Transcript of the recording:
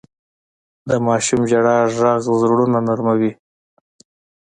د ماشوم ژړا ږغ زړونه نرموي.